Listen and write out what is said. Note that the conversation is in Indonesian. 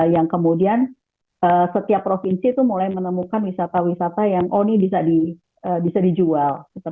yang kemudian setiap provinsi itu mulai menemukan wisata wisata yang oh ini bisa dijual